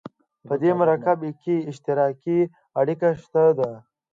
په دې مرکب کې اشتراکي اړیکه شته ده.